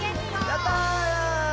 やった！